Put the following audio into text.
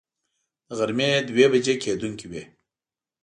د غرمې دوه بجې کېدونکې وې.